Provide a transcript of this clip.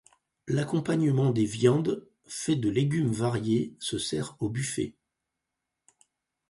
L'accompagnement des viandes, fait de légumes variés, se sert au buffet.